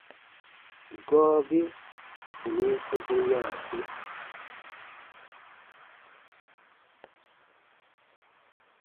Gɔɔbi ù nùn soku yanse.